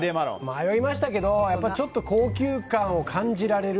迷いましたけどちょっと高級感を感じられる。